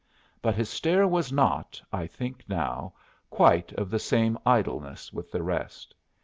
But his stare was not, I think now, quite of the same idleness with the rest.